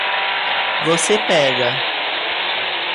Você pega